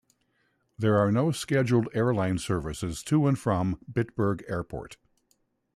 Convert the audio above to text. There are no scheduled airline services to and from Bitburg Airport.